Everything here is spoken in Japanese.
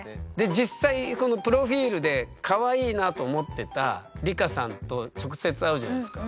実際このプロフィールでかわいいなと思ってた梨花さんと直接会うじゃないですか。